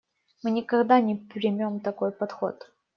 Мы никогда не примем такой подход.